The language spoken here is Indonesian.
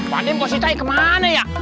waduh posisi saya kemana ya